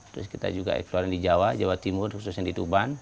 terus kita juga eksplore di jawa jawa timur khususnya di tuban